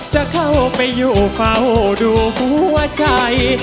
จะเข้าไปอยู่เฝ้าดูหัวใจ